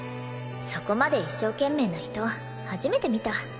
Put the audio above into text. そこまで一生懸命な人初めて見た。